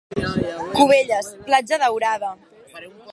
Cubelles, platja daurada.